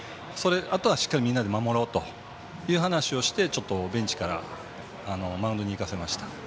あとは、しっかりみんなで守ろうという話をしてベンチからマウンドに行かせました。